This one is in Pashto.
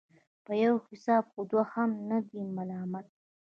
په يو حساب خو دوى هم نه دي ملامت.